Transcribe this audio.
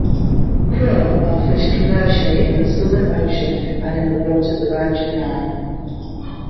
Krill are fished commercially in the Southern Ocean and in the waters around Japan.